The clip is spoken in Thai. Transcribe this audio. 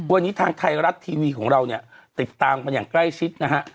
วันนี้ทางไทยรัฐทีวีของเราเนี่ยติดตามกันอย่างใกล้ชิดนะฮะ